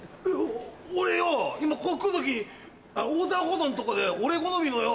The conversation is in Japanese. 今ここ来る時横断歩道のとこで俺好みのよ